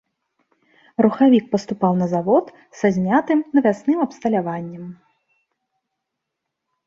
Рухавік паступаў на завод са знятым навясным абсталяваннем.